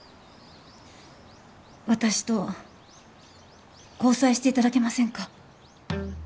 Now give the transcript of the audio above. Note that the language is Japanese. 私と交際していただけませんか？